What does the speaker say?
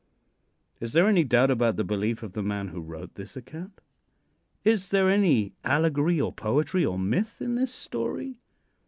Is there any doubt about the belief of the man who wrote this account? Is there any allegory, or poetry, or myth in this story?